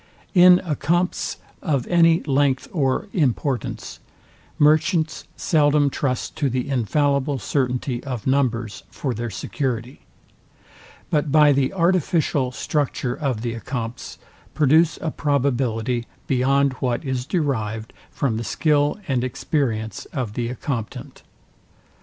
In accompts of any length or importance, Merchants seldom trust to the infallible certainty of numbers for their security; but by the artificial structure of the accompts, produce a probability beyond what is derived from the skill and experience of the accomptant.